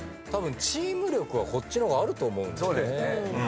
たぶんチーム力はこっちの方があると思うんでね。